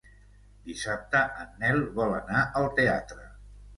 Dissabte en Nel vol anar al teatre.